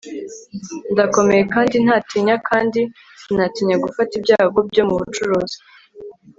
ndakomeye kandi ntatinya kandi sinatinya gufata ibyago mu bucuruzi